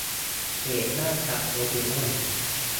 เขตห้ามจับโปเกม่อน